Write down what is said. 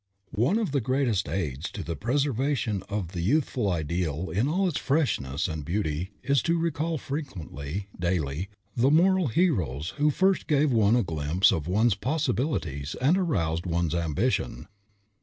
One of the greatest aids to the preservation of the youthful ideal in all its freshness and beauty is to recall frequently, daily, the moral heroes who first gave one a glimpse of one's possibilities and aroused one's ambition.